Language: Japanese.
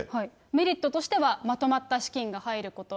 メリットとしてはまとまった資金が入ること。